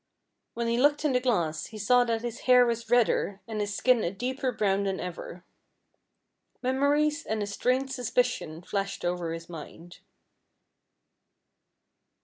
When he looked in the glass he saw that his hair was redder, and his skin a deeper brown than ever. Memories and a strange suspicion flashed over his mind.